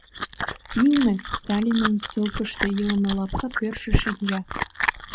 Ӱлнӧ — Сталинын ссылкыште илыме лапка пӧртшӧ шинча.